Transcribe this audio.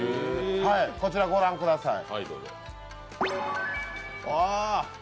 こちら御覧ください。